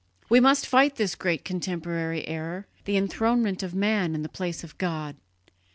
... We must fight this great contemporary error, the enthronement of man in the place of God.